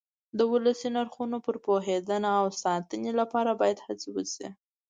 د ولسي نرخونو پر پوهېدنه او ساتنې لپاره باید هڅې وشي.